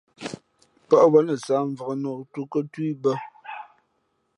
Pά wěn lα sāh mvǎk nǒktú tú i bᾱ.